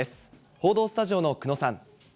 報道スタジオの久野さん。